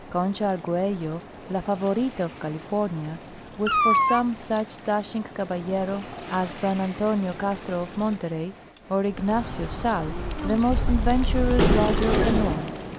Concha Arguello, La Favorita of California, was for some such dashing caballero as Don Antonio Castro of Monterey, or Ignacio Sal, the most adventurous rider of the north.